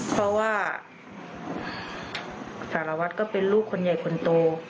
เพราะว่าสารวัตรก็เป็นลูกคนใหญ่คนโต